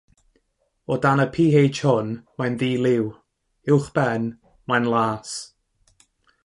O dan y pH hwn, mae'n ddi-liw; uwchben, mae'n las.